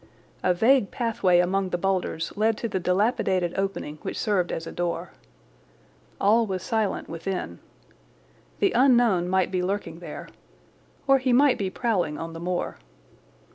A vague pathway among the boulders led to the dilapidated opening which served as a door. All was silent within. The unknown might be lurking there, or he might be prowling on the moor.